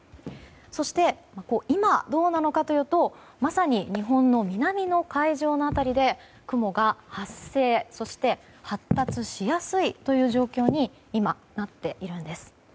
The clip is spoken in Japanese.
そして今、どうなのかというとまさに日本の南の海上の辺りで雲が発生・発達しやすいという状況に今、なっているんです。